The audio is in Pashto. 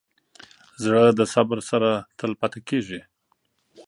زړه د صبر سره تل پاتې کېږي.